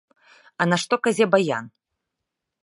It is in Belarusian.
А нашто казе баян?